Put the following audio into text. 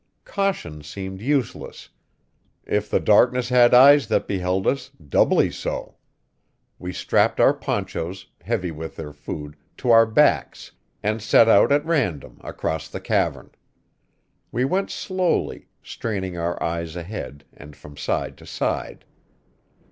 Caution seemed useless; if the darkness had eyes that beheld us, doubly so. We strapped our ponchos, heavy with their food, to our backs, and set out at random across the cavern. We went slowly, straining our eyes ahead and from side to side.